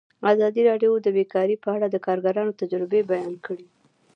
ازادي راډیو د بیکاري په اړه د کارګرانو تجربې بیان کړي.